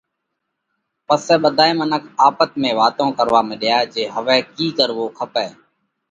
پسئہ ٻڌائي منک آپت ۾ واتون ڪروا مڏيا جي هوَئہ ڪِي ڪروو کپئہ۔